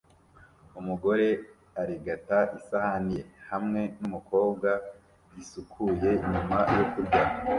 Umugore arigata isahani ye hamwe numukobwa gisukuye nyuma yo kurya